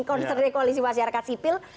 konsernya koalisi masyarakat sipil